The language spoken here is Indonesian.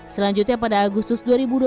selanjutnya pada agustus dua ribu dua puluh